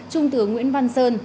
trung tướng nguyễn văn sơn